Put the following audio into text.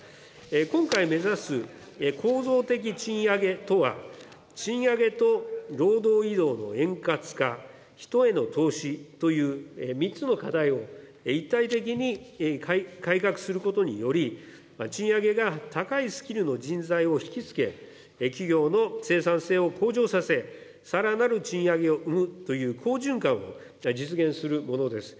今回目指す構造的賃上げとは、賃上げと労働移動の円滑化、人への投資という３つの課題を一体的に改革することにより、賃上げが高いスキルの人材を引き付け、企業の生産性を向上させ、さらなる賃上げを生むという好循環を実現するものです。